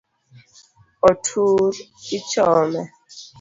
Otur ichome